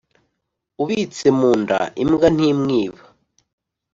Ubitse munda imbwa ntimwiba.